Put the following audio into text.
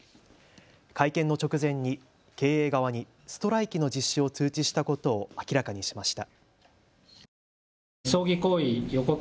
会見の直前に経営側にストライキの実施を通知したことを明らかにしました。